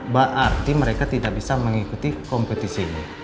berarti mereka tidak bisa mengikuti kompetisi ini